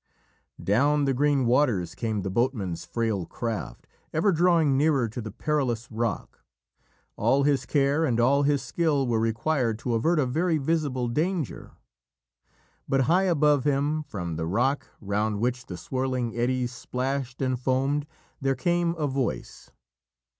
Down the green waters came the boatman's frail craft, ever drawing nearer to the perilous rock. All his care and all his skill were required to avert a very visible danger. But high above him, from the rock round which the swirling eddies splashed and foamed, there came a voice.